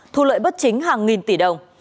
thu lợi bất chính hàng nghìn tỷ đồng